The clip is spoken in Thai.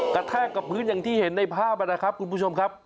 แทกกับพื้นอย่างที่เห็นในภาพนะครับคุณผู้ชมครับ